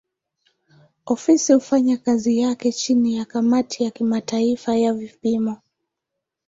Ofisi hufanya kazi yake chini ya kamati ya kimataifa ya vipimo.